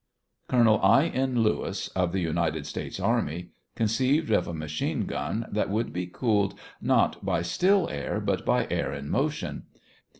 Colonel I. N. Lewis, of the United States Army, conceived of a machine gun that would be cooled not by still air but by air in motion.